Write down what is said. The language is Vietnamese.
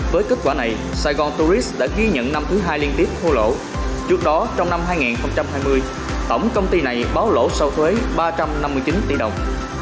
với kết quả này saigon tourist đã ghi nhận năm thứ hai liên tiếp thu lỗ trước đó trong năm hai nghìn hai mươi tổng công ty này báo lỗ sau thuế ba trăm năm mươi chín tỷ đồng